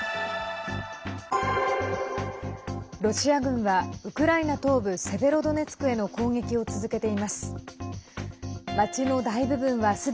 ロシア軍は、ウクライナ東部セベロドネツクへの攻撃を続けています。